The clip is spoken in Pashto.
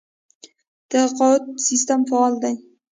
د تقاعد سیستم فعال دی؟